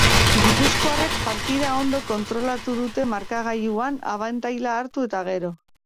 Gipuzkoarrek partida ondo kontrolatu dute markagailuan abantaila hartu eta gero.